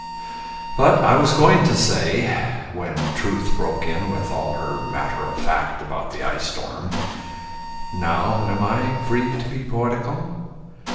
But I was going to say when Truth broke in With all her matter of fact about the ice storm (Now am I free to be poetical?)